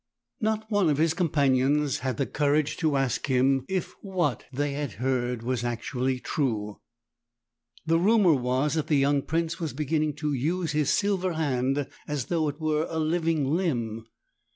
Not one of his com panions had the courage to ask him if what they had heard was actually true. The rumour was that the young prince was beginning to use his silver hand as though it were a living limb!